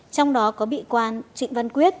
trong đó có bị can trịnh văn quyết